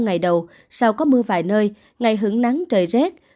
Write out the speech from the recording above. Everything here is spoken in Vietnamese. ngày đầu sau có mưa vài nơi ngày hưởng nắng trời rét